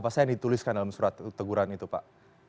apa saja yang dituliskan dalam surat teguran itu pak